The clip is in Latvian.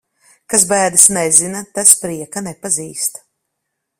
Kas bēdas nezina, tas prieka nepazīst.